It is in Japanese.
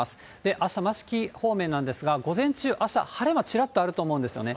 あした益城町方面なんですが、午前中、あした晴れ間、ちらっとあると思うんですよね。